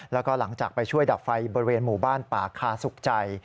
แล้วก็หลังจากไปช่วยดับไฟบริเวณหมู่บ้านป่าคาสุขใจ